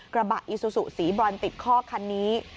กระบะอีซูซูสีบรอนติดข้อคันนี้